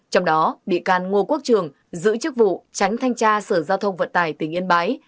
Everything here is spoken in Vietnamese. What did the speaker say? trong đó bị can ngô quốc trường giữ chức vụ tránh thanh tra sở giao thông vận tài tỉnh yên bái